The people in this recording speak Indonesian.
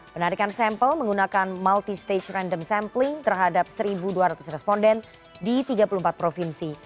penarikan sampel menggunakan multistage random sampling terhadap satu dua ratus responden di tiga puluh empat provinsi